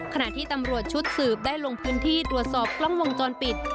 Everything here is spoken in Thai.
ขณะที่ตำรวจชุดสืบได้ลงพื้นที่ตรวจสอบกล้องวงจรปิด